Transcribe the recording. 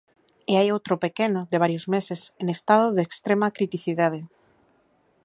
E hai outro pequeno, de varios meses, en estado de extrema criticidade.